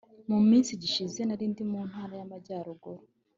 muminsi gishize narindi muntara yamajyaruguru